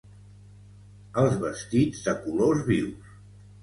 Els vestits de colors vius